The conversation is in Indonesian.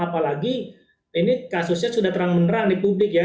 apalagi ini kasusnya sudah terang menerang di publik ya